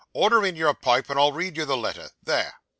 Order in your pipe and I'll read you the letter. There!